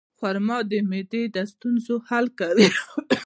خرما د معدې د ستونزو حل کوي.